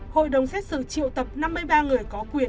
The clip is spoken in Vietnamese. hội đồng xét xử triệu tập năm mươi ba người có quyền